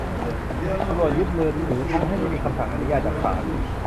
ตำรวจยึดมือถือทั้งที่ไม่มีคำสั่งอนุญาตจากศาล